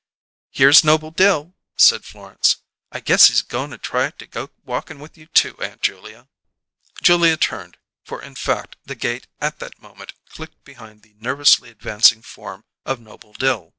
"Here's Noble Dill," said Florence, "I guess he's goin' to try to go walkin' with you, too, Aunt Julia." Julia turned, for in fact the gate at that moment clicked behind the nervously advancing form of Noble Dill.